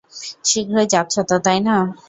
শীঘ্রই যাচ্ছ তো, তাই না?